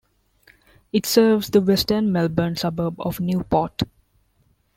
It serves the western Melbourne suburb of Newport.